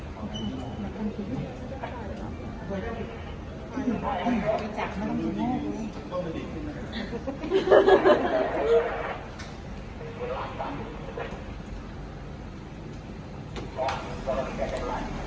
น้ำต่างด้วยน้ำจากมันกี่แม่เอานี่